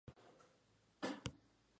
A esto, Spence respondió: ""Surrender?